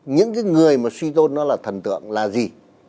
những cái người mà suy tôn nó là thần tượng là gì